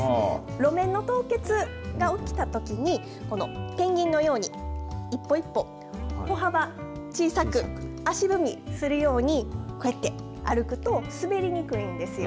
路面の凍結が起きたときに、ペンギンのように一歩一歩、歩幅小さく、足踏みするように、こうやって歩くと、滑りにくいんですよ。